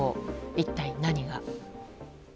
一体、何が。